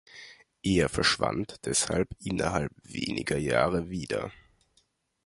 Er verschwand deshalb innerhalb weniger Jahre wieder.